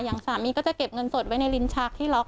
อย่างสามีก็จะเก็บเงินสดไว้ในลิ้นชักที่ล็อก